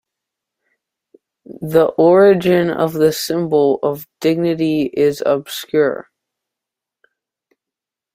The origin of this symbol of dignity is obscure.